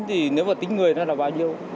thì nếu mà tính người nó là bao nhiêu